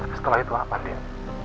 tapi setelah itu apa andien